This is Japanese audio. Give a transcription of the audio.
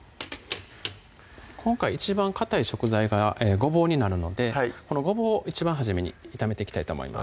今回一番かたい食材がごぼうになるのでごぼうを一番初めに炒めていきたいと思います